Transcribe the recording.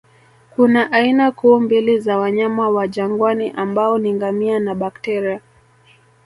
Kuna aina kuu mbili za wanyama wa jangwani ambao ni ngamia na bakteria